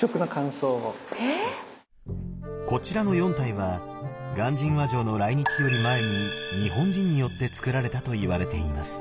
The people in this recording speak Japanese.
こちらの４体は鑑真和上の来日より前に日本人によってつくられたといわれています。